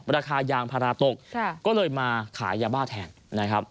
ราคายางพาราตกก็เลยมาขายยาบ้าแทนนะครับ